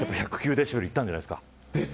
デシベルいったんじゃないですか。